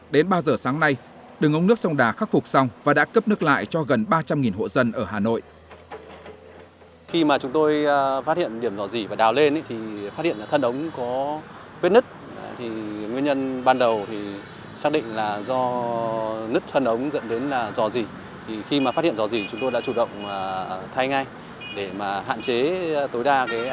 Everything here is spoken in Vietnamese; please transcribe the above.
đến ba giờ sáng nay đường ống nước sông đà khắc phục xong và đã cấp nước lại cho gần ba trăm linh hộ dân ở hà nội